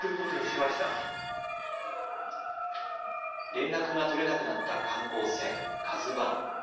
連絡が取れなくなった観光船、ＫＡＺＵわん。